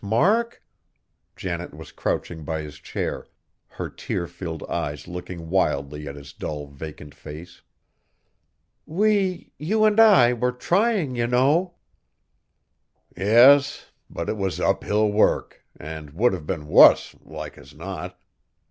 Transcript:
Mark." Janet was crouching by his chair, her tear filled eyes looking wildly at his dull, vacant face. "We, you and I, were trying, you know!" "Yes; but it was uphill work, an' would have been wuss, like as not.